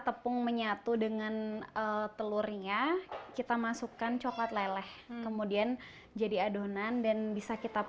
tepung menyatu dengan telurnya kita masukkan coklat leleh kemudian jadi adonan dan bisa kita